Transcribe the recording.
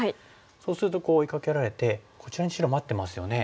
そうするとこう追いかけられてこちらに白待ってますよね。